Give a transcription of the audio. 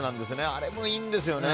あれもいいんですよね。